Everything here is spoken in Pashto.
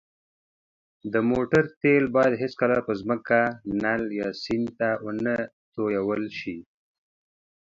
د موټر تېل باید هېڅکله په ځمکه، نل، یا سیند ته ونهتوېل ش